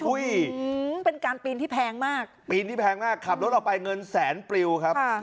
เป็นการปีนที่แพงมากปีนที่แพงมากขับรถออกไปเงินแสนปลิวครับ